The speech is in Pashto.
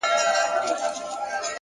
تمرکز ذهن واحد هدف ته راټولوي.!